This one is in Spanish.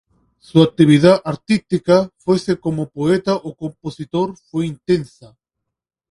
Su actividad artística, fuese como poeta o compositor, fue intensa.